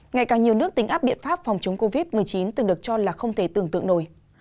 ngày càng nhiều nước tính áp biện pháp phòng chống covid một mươi chín từng được cho là không thể tưởng tượng nổi